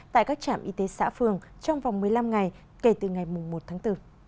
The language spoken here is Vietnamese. tại các trạm y tế xã phường trong vòng một mươi năm ngày kể từ ngày một tháng bốn